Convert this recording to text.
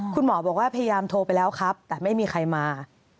คุณหมอบอกว่าพยายามโทรไปแล้วครับแต่ไม่มีใครมา